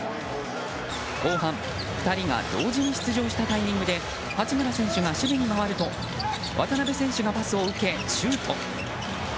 後半、２人が同時に出場したタイミングで八村選手が守備に回ると渡邊選手がパスを受けシュート。